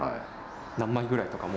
何枚ぐらいとか？